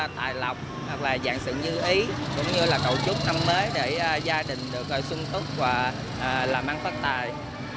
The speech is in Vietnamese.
tại lọc hoặc là dạng sự như ý cũng như là cậu chúc năm mới để gia đình được xuân thức và làm ăn phát tài